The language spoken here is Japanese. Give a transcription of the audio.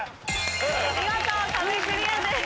見事壁クリアです。